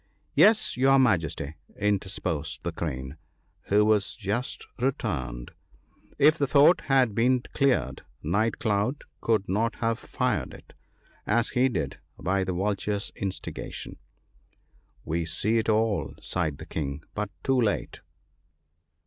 ' Yes, your Majesty,' interposed the Crane, who was just returned, * if the Fort had been cleared, Night cloud could not have fired it, as he did, by the Vulture's in stigation.' ' We see it all,' sighed the King, but too late